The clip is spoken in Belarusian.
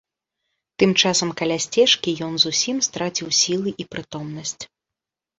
Тым часам каля сцежкі ён зусім страціў сілы і прытомнасць.